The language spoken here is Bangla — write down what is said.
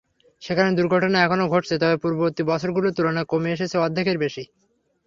সেখানে দুর্ঘটনা এখনো ঘটছে, তবে পূর্ববর্তী বছরগুলোর তুলনায় কমে এসেছে অর্ধেকের বেশি।